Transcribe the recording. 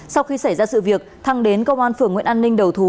sau khi xảy ra sự việc thăng đến công an phường nguyễn an ninh đầu thú